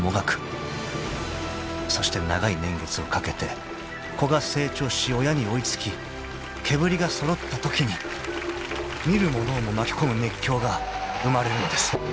［そして長い年月をかけて子が成長し親に追い付き毛振りが揃ったときに見る者をも巻き込む熱狂が生まれるのです］